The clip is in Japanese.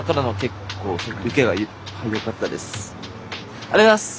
ありがとうございます。